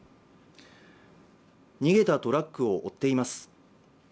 逃げたトラックを追っています